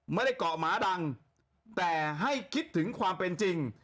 ไม่ได้เกาะหมาดังแต่ให้คิดถึงความเป็นจริง